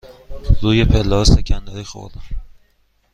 روی پله ها سکندری خوردم.